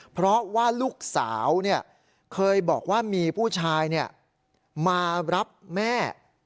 เพราะว่าลูกสาวเนี่ยเคยบอกว่ามีผู้ชายเนี่ยมารับแม่